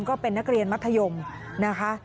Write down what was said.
ก็เป็นนักเรียนมัธยมนะคะ